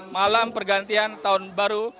malam pergantian tahun baru